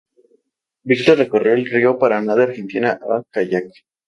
Víctor recorrió el río Paraná de Argentina en kayak.